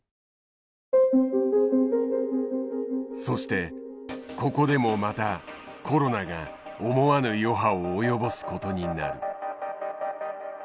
そしてここでもまたコロナが思わぬ余波を及ぼすことになる。